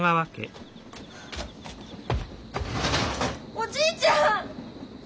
おじいちゃん！